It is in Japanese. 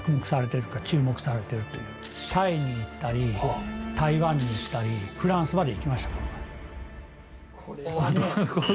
タイに行ったり台湾に行ったりフランスまで行きました。